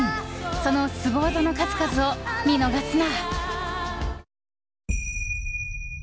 そのスゴ技の数々を見逃すな！